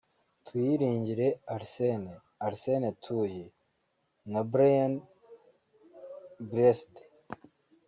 Tuyiringire Arsène [Arsène Tuyi] na Brian Blessed